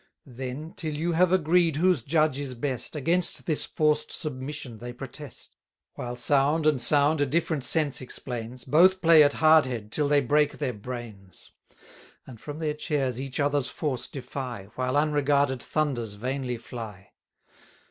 Then, till you have agreed whose judge is best, 440 Against this forced submission they protest: While sound and sound a different sense explains, Both play at hardhead till they break their brains; And from their chairs each other's force defy, While unregarded thunders vainly fly.